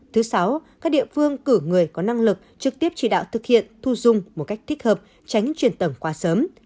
thứ sáu các địa phương cử người có năng lực trực tiếp chỉ đạo thực hiện thu dung một cách thích hợp tránh chuyển tẩm quá sớm